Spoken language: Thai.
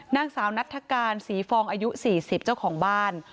นางสาวนัฐกาลศรีฟองอายุ๔๐เจ้าของบ้าน